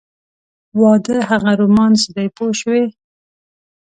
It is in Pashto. واده هغه رومانس دی پوه شوې!.